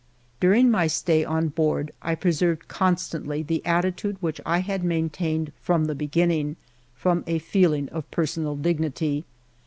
During my stay on board, I preserved constantly the attitude which I had maintained from the beginning, from a feeling of personal dignity.